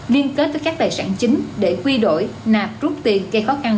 liên kết với các tài sản chính để quy đổi nạp rút tiền gây khó khăn